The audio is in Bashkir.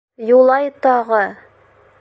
Юлай тағы: